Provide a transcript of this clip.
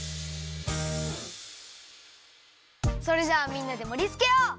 それじゃあみんなでもりつけよう！